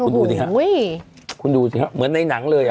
นี่โอ้โหคุณดูสิครับเหมือนในหนังเลยอะ